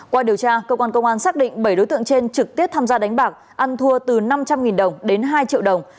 qua điều tra công an tp biên hòa xác định bảy đối tượng trên trực tiếp tham gia đánh bạc ăn thua từ năm trăm linh đồng đến hai triệu đồng